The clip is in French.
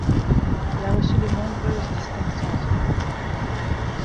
Il a reçu de nombreuses distinctions à ce propos.